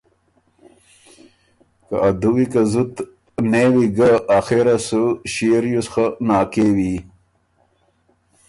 که ا دُوی که زُت نېوی ګه آخېره سُو ݭيې ریوز خه ناکېوی۔